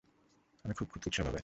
আমি খুব খুঁতখুঁতে স্বভাবের।